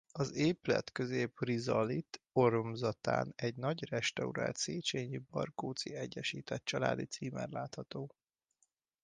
Az épület középrizalit oromzatán egy nagy restaurált Széchenyi-Barkóczy egyesített családi címer látható.